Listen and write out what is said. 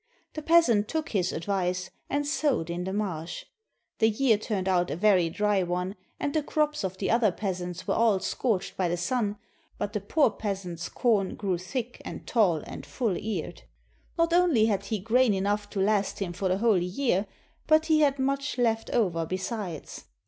The peasant took his advice, and sowed in the marsh. The year turned out a very dry one, and the crops of the other peasants were all scorched by the sun, but the poor peasant's corn grew thick and tall and full eared. Not only had he grain enough to last him for the whole year, but he had much left over besides.